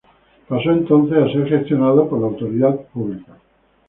Pasó entonces a ser gestionado por la autoridad pública.